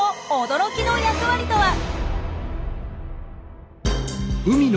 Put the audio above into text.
驚きの役割とは？